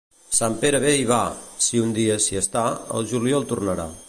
Sant Pere ve i va, si un dia s'hi està, el juliol tornarà.